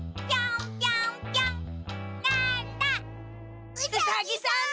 うさぎさん！